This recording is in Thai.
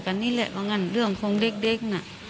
ก็เรื่องลาโภบแม่กันเรื่องคงเด็กนะ